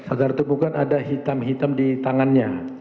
agar itu bukan ada hitam hitam di tangannya